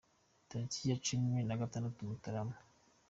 Tariki ya cumi nagatandatu Mutarama